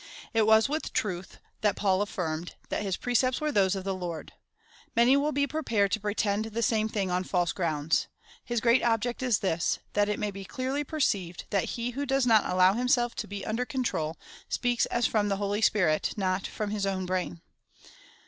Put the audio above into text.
It was with truth that Paul affirmed, that his pre cepts were those of the Lord. Many will be prepared to pretend the same thing on false grounds. His great object is this — that it may be clearly perceived, that he who does not allow himself to be under control, speaks as from the Holy Spirit, not from his own brain.